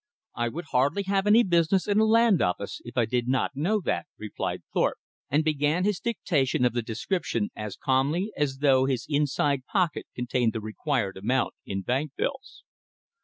"I would hardly have any business in a land office, if I did not know that," replied Thorpe, and began his dictation of the description as calmly as though his inside pocket contained the required amount in bank bills.